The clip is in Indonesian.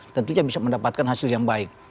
tentunya bisa mendapatkan hasil yang baik